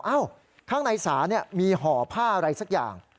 อ้าวข้างในศาลเนี่ยมีห่อผ้าอะไรสักอย่าง